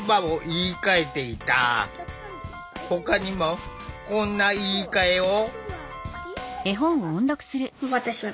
ほかにもこんな「言いかえ」を。